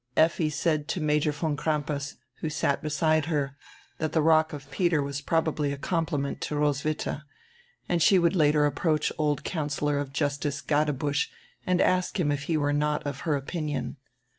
Effi said to Major von Crampas, who sat beside her, diat die 'rock of Peter' was probably a compliment to Roswitha, and she would later approach old Councillor of Justice Gadebusch and ask him if he were not of her opinion.